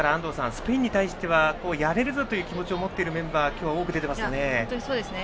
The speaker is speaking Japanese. スペインに対してはやれるぞという気持ちを持っているメンバーが本当にそうですね。